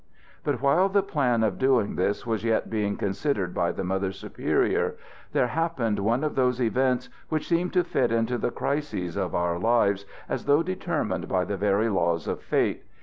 But while the plan of doing this was yet being considered by the Mother Superior, there happened one of those events which seem to fit into the crises of our lives as though determined by the very laws of fate.